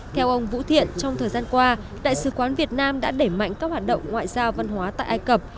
theo ông vũ thiện trong thời gian qua đại sứ quán việt nam đã đẩy mạnh các hoạt động ngoại giao văn hóa tại ai cập